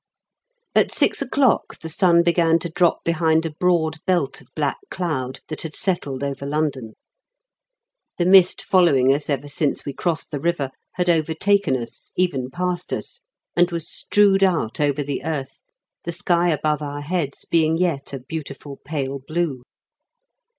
At six o'clock the sun began to drop behind a broad belt of black cloud that had settled over London. The mist following us ever since we crossed the river had overtaken us, even passed us, and was strewed out over the earth, the sky above our heads being yet a beautiful pale blue.